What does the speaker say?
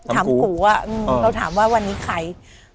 กูอ่ะเราถามว่าวันนี้ใคร